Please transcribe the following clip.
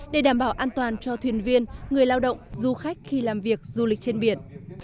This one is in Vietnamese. để đảm bảo an toàn cho thuyền viên người lao động du khách khi làm việc du lịch trên biển